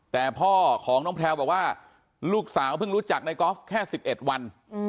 แต่พ่อของน้องแพลวบอกว่าลูกสาวเพิ่งรู้จักนายกอล์ฟแค่๑๑วัน